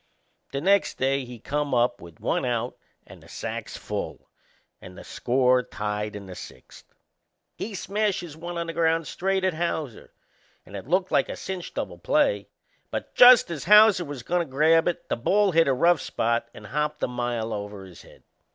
The next day he come up with one out and the sacks full, and the score tied in the sixth. He smashes one on the ground straight at Hauser and it looked like a cinch double play; but just as Hauser was goin' to grab it the ball hit a rough spot and hopped a mile over his head.